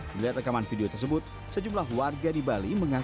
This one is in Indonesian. melihat rekaman video tersebut sejumlah warga di bali juga tidak tahu